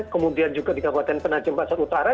kemudian juga di kabupaten penajem pasar utara